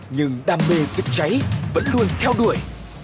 nhưng đam mê dịch cháy vẫn luôn theo đuổi